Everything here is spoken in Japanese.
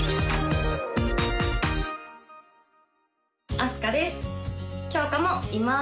あすかです